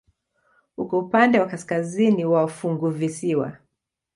Uko upande wa kaskazini wa funguvisiwa.